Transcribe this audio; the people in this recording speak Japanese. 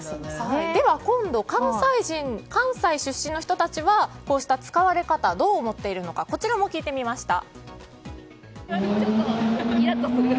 では、関西出身の人たちはこうした使われ方どう思っているのか聞きました。